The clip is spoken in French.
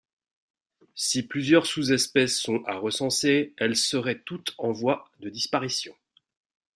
Si plusieurs sous-espèces sont à recenser, elles seraient toutes en voie de disparition.